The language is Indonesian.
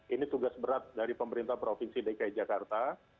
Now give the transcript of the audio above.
ini tugas berat dari pemerintah provinsi dki jakarta